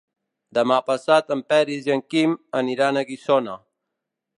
Demà passat en Peris i en Quim aniran a Guissona.